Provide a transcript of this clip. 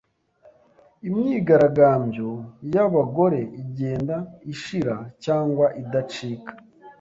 imyigaragambyo y'abagore igenda ishira cyangwa idacika.